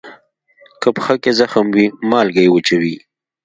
که پښه کې زخم وي، مالګه یې وچوي.